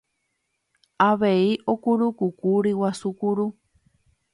avei okurukuku ryguasu kuru